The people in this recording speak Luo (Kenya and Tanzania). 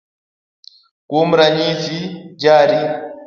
Kuom ranyisi, jari